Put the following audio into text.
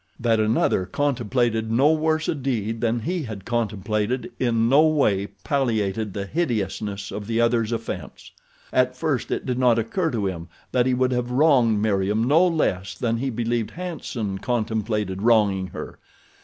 That another contemplated no worse a deed than he had contemplated in no way palliated the hideousness of the other's offense. At first it did not occur to him that he would have wronged Meriem no less than he believed "Hanson" contemplated wronging her.